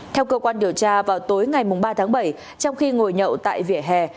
theo cơ quan điều tra vào tối ngày ba tháng bảy trong khi ngồi nhậu tại vỉa hè